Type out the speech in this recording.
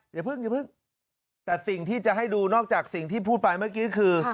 อย่าเพิ่งอย่าเพิ่งแต่สิ่งที่จะให้ดูนอกจากสิ่งที่พูดไปเมื่อกี้คือ